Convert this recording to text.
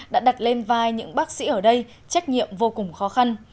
đã đặt lên vai những bác sĩ ở đây trách nhiệm vô cùng khó khăn